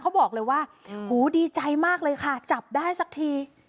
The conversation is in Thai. เขาบอกเลยว่าหูดีใจมากเลยค่ะจับได้สักที